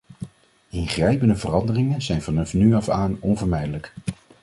Ingrijpende veranderingen zijn van nu af aan onvermijdelijk.